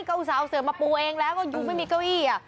ก็อุตส่าห์เสือมาปูเองแล้วก็อยู่ไม่มีเก้าอี้